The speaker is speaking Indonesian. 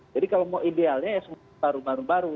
jadi kalau mau idealnya ya baru baru baru